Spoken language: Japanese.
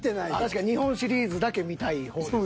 確かに日本シリーズだけ見たい方です。